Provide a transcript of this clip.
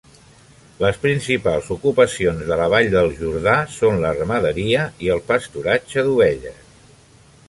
Les principals ocupacions de la Vall del Jordà són la ramaderia i el pasturatge d'ovelles.